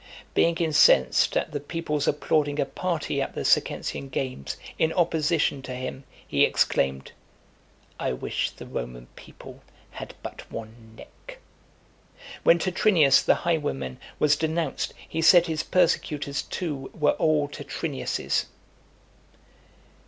Being incensed at the people's applauding a party at the Circensian games in opposition to him, he exclaimed, "I wish the Roman people had but one neck." When Tetrinius, the highwayman, was denounced, he said his persecutors too were all Tetrinius's.